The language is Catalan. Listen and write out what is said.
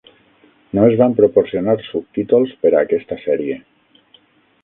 No es van proporcionar subtítols per a aquesta sèrie.